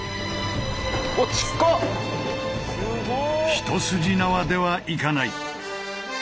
一筋縄ではいかない。